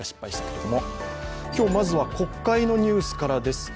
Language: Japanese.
今日まずは国会のニュースからです。